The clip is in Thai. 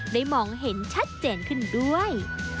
มองเห็นชัดเจนขึ้นด้วย